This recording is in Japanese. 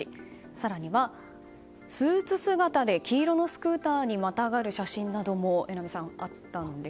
更には、スーツ姿で黄色のスクーターにまたがる写真なども榎並さん、あったんです。